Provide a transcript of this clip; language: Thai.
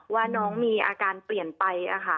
ว่าน้องมีอาการเปลี่ยนไป